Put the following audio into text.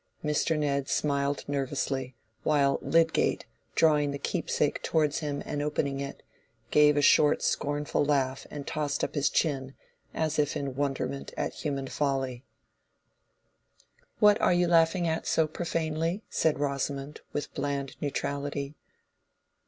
Mr. Ned smiled nervously, while Lydgate, drawing the "Keepsake" towards him and opening it, gave a short scornful laugh and tossed up his chin, as if in wonderment at human folly. "What are you laughing at so profanely?" said Rosamond, with bland neutrality.